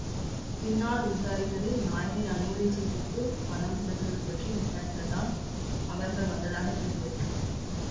பின்னால் விசாரித்ததில், நாய்களின் அனுமதிச்சீட்டுக்கு ப் பணம் செலுத்துவது பற்றி விசாரிக்கத் தான் அவர்கள் வந்ததாகத் தெரிந்தது!